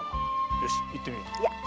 よし行ってみよう。